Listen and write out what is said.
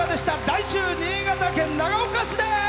来週は、新潟県長岡市です。